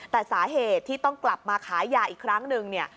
แต่สาเหตุที่ต้องกลับมาขายยาอีกครั้งหนึ่งเนี่ย